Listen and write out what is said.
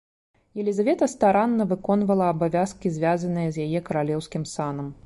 Елізавета старанна выконвала абавязкі звязаныя з яе каралеўскім санам.